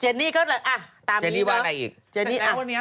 เจนนี่ก็แบบอ่ะตามนิยีว้างไงอีก